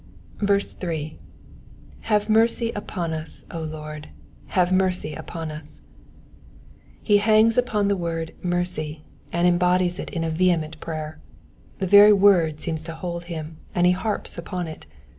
8. Have mercy upon tie, Lord, have mercy upon us,'*'* He hangs upon the word mercy,'* and embodies it in a vehement prayer: the very word seems to hold him, and he harps upon it.